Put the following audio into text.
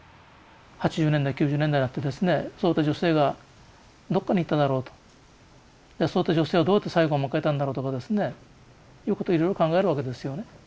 ８０年代９０年代になってですねそういった女性がどこに行っただろうとそういった女性はどうやって最期を迎えたんだろうとかですねということをいろいろと考えるわけですよね。